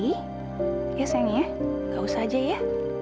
iya sayang ya gak usah aja ya